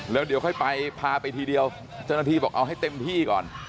แล้วเดี๋ยวค่อยไปพาไปทีเดียวเจ้าหน้าที่บอกเอาให้เต็มที่ก่อน